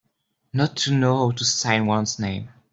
Not to know how to sign one's name.